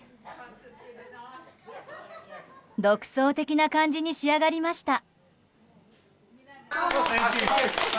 独創的な感じに仕上がりました。